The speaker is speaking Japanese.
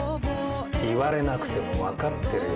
言われなくても分かってるよ。